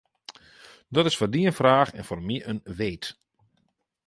Dat is foar dy in fraach en foar my in weet.